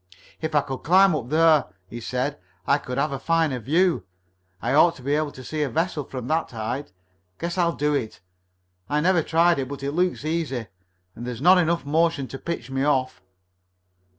"If I could climb up there," he said, "I could have a fine view. I ought to be able to see a vessel from that height. Guess I'll do it. I never tried it, but it looks easy, and there's not enough motion to pitch me off."